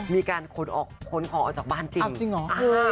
มีการขนคอออกจากบ้านจริง